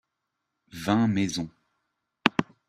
vingt maisons.